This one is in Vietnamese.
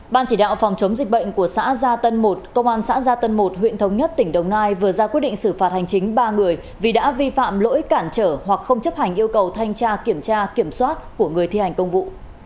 ban chỉ đạo phòng chống dịch bệnh của xã gia tân một công an xã gia tân một huyện thống nhất tỉnh đồng nai vừa ra quyết định xử phạt hành chính ba người vì đã vi phạm lỗi cản trở hoặc không chấp hành yêu cầu thanh tra kiểm tra kiểm soát của người thi hành công vụ